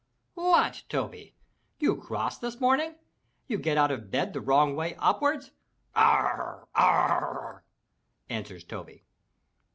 "What, Toby, you cross this morning? You get out of bed the wrong way upwards?" "Arr rr! Arr rr," answers Toby.